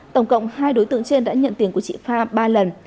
tổng cộng hai đối tượng trên đã nhận tiền của chị pha ba lần